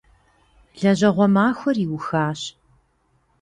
Лэжьэгъуэ махуэр иухащ.